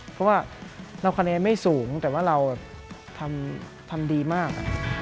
เพราะว่าเราคะแนนไม่สูงแต่ว่าเราทำดีมาก